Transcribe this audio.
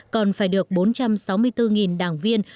còn phải được bốn trăm sáu mươi bốn đảng viên